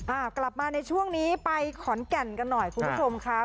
อ่ากลับมาในช่วงนี้ไปขอนแก่นกันหน่อยคุณผู้ชมค่ะ